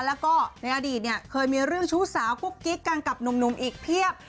แล้วก็ในอดีตเนี่ยเคยมีเรื่องชู้สาวกุ๊กกิ๊กกันกับหนุ่มอีกเพียบ